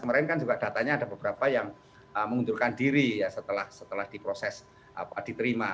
kemarin kan juga datanya ada beberapa yang mengundurkan diri ya setelah diproses diterima